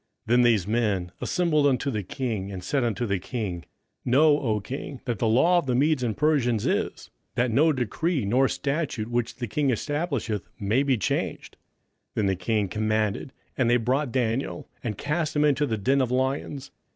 27:006:015 Then these men assembled unto the king, and said unto the king, Know, O king, that the law of the Medes and Persians is, That no decree nor statute which the king establisheth may be changed. 27:006:016 Then the king commanded, and they brought Daniel, and cast him into the den of lions.